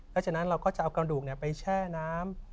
แล้วจากนั้นเราก็จะเอากระดูกเนี่ยไปแช่น้ำ